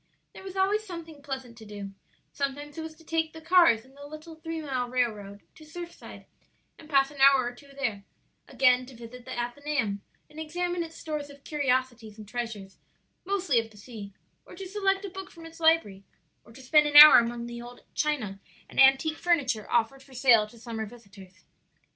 There was always something pleasant to do; sometimes it was to take the cars on the little three mile railroad to Surfside and pass an hour or two there; again to visit the Athenaeum and examine its stores of curiosities and treasures, mostly of the sea; or to select a book from its library; or to spend an hour among the old china and antique furniture offered for sale to summer visitors.